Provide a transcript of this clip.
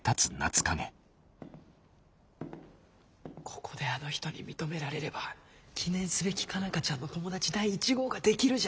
ここであの人に認められれば記念すべき佳奈花ちゃんの友達第一号ができるじゃねえか。